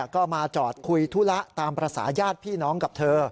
ก็มาจอดคุยธุระตามภาษาญาติพี่น้องกับเธอ